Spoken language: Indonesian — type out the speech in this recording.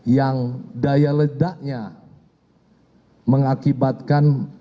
yang daya ledaknya mengakibatkan